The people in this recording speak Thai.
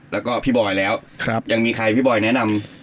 แล้วก็พี่บอยแล้วยังมีใครพี่บอยแนะนำ